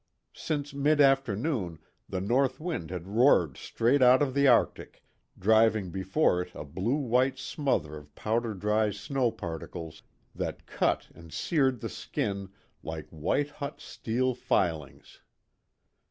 Since mid afternoon the north wind had roared straight out of the Arctic, driving before it a blue white smother of powder dry snow particles that cut and seared the skin like white hot steel filings.